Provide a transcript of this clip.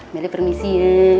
meli permisi ya